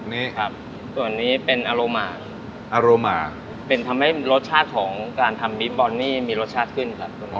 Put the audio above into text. นี่ครับส่วนนี้เป็นอาโลมาโรหมาเป็นทำให้รสชาติของการทำบีฟบอลนี่มีรสชาติขึ้นครับตัวนี้